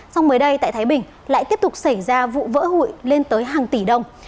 xong mới đây tại thái bình lại tiếp tục xảy ra vụ vỡ hụi lên tới hàng tỷ đồng